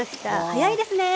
早いですね！